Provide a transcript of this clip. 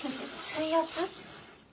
水圧？